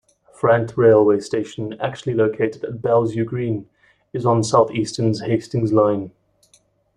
Frant railway station, actually located at Bells Yew Green, is on Southeastern's Hastings Line.